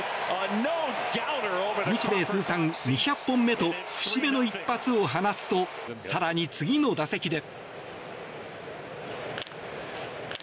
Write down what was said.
日米通算２００本目と節目の一発を放つと更に次の打席で。